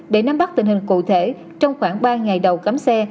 để nắm bắt tình hình cụ thể trong khoảng ba ngày đầu cấm xe